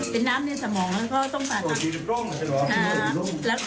เป็นน้ำในสมองแล้วก็ต้องผ่าตัด